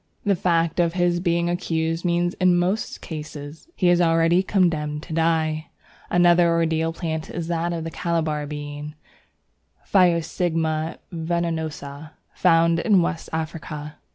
The fact of his being accused means in most cases that he is already condemned to die. Another ordeal plant is the Calabar Bean (Physostigma venenosa), found in West Africa.